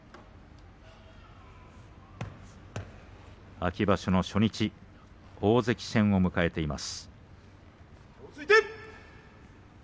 秋場所の初日大関戦を迎えています。